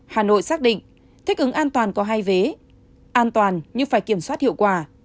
hà nội xác định thích ứng an toàn có hai vế an toàn nhưng phải kiểm soát hiệu quả